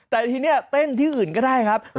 แต่ทีนี้เต้นที่อื่นก็ได้ครับ